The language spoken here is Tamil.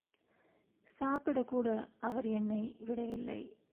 சாப்பிடக்கூட அவர் என்னை விடவில்லை.